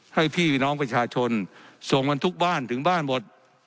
ให้พี่น้องประชาชนส่งกันทุกบ้านถึงบ้านหมด